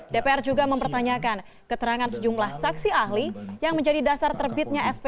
dpr juga mempertanyakan keterangan sejumlah saksi ahli yang menjadi dasar terbitnya sp tiga